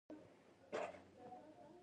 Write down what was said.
مور یې پاچا ته د قیمتي ډبرو ډالۍ یووړه.